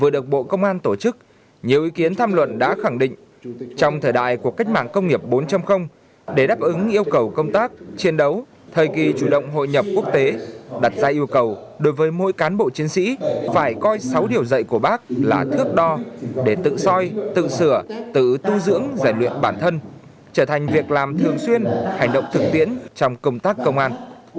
được bộ công an tổ chức nhiều ý kiến tham luận đã khẳng định trong thời đại của cách mạng công nghiệp bốn để đáp ứng yêu cầu công tác chiến đấu thời kỳ chủ động hội nhập quốc tế đặt ra yêu cầu đối với mỗi cán bộ chiến sĩ phải coi sáu điều dạy của bác là thước đo để tự soi tự sửa tự tu dưỡng giải luyện bản thân trở thành việc làm thường xuyên hành động thực tiễn trong công tác công an